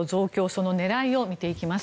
その狙いを見ていきます。